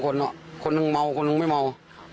คนหนึ่งเมาคนนึงไม่เมา